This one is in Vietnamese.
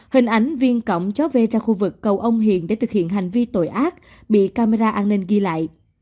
hình ảnh viên cộng cháu v ra khu vực cầu ông hiền để thực hiện hành vi tội ác bị camera an ninh ghi lại